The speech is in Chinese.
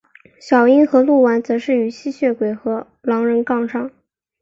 小樱和鹿丸则与吸血鬼和狼人杠上。